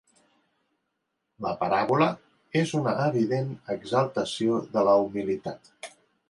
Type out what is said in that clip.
La paràbola és una evident exaltació de la humilitat.